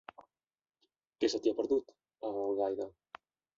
Què se t'hi ha perdut, a Algaida?